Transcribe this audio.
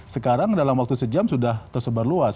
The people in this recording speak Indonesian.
sekarang dalam waktu sejam sudah tersebar luas